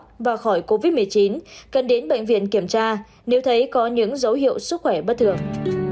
người khỏi covid một mươi chín cần đến bệnh viện kiểm tra nếu thấy có những dấu hiệu sức khỏe bất thường